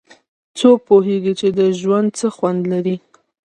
څوک پوهیږي چې ژوند څه خوند لري